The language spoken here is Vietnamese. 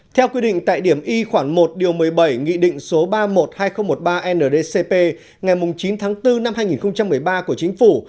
theo quy định tại điểm y khoảng một điều một mươi bảy nghị định số ba mươi một hai nghìn một mươi ba ndcp ngày chín tháng bốn năm hai nghìn một mươi ba của chính phủ